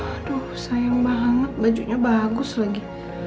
aduh sayang banget bajunya bagus lagi